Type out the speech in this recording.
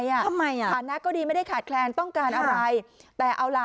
ทำไมอ่ะฐานะก็ดีไม่ได้ขาดแคลนต้องการอะไรแต่เอาล่ะ